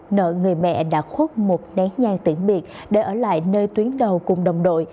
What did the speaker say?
nợ người mẹ đã khuất một nén nhai tiễn biệt để ở lại nơi tuyến đầu cùng đồng đội